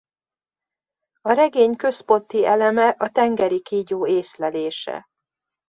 A regény központi eleme a tengeri kígyó észlelése.